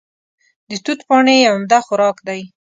د توت پاڼې یې عمده خوراک دی.